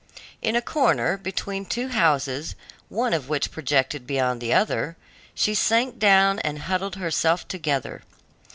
In a corner, between two houses, one of which projected beyond the other, she sank down and huddled herself together.